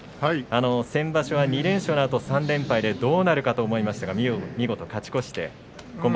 先場所は２連勝のあと３連敗でどうなるかと思いましたが見事勝ち越して。